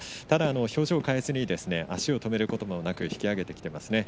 ただ表情を変えずに足を止めることもなく引き揚げてきています。